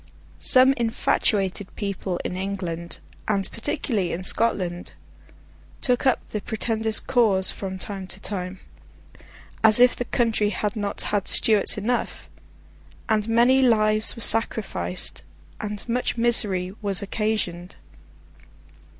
Some infatuated people in England, and particularly in Scotland, took up the Pretender's cause from time to time—as if the country had not had Stuarts enough!—and many lives were sacrificed, and much misery was occasioned.